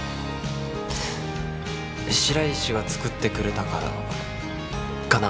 白石が作ってくれたからかな？